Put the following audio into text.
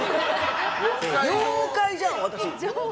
妖怪じゃん、私。